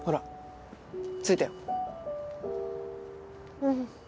うん。